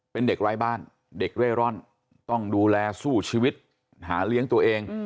เป็นเด็กไร้บ้านเด็กเร่ร่อนต้องดูแลสู้ชีวิตหาเลี้ยงตัวเอง